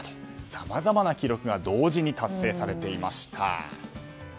さまざまな記録が同時に達成されていました。